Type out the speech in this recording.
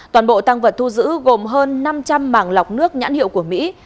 toàn bộ tăng vật thu giữ gồm hơn năm trăm linh màng lọc nước nhãn hiệu của mỹ